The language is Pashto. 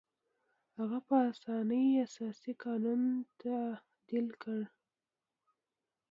هغه په اسانۍ اساسي قانون تعدیل کړ.